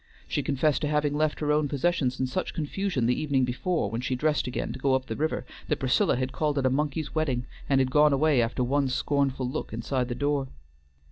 She confessed to having left her own possessions in such confusion the evening before when she dressed again to go up the river, that Priscilla had called it a monkey's wedding, and had gone away after one scornful look inside the door.